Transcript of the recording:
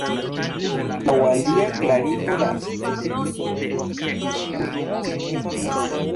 Laŭ alia klarigo la sufikso -uj- signifas "nesto".